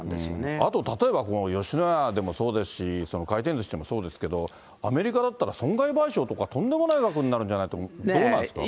あと、吉野家でもそうですし、回転ずしでもそうですけれども、アメリカだったら、損害賠償とかとんでもない額になると思うんですが、どうなんですか。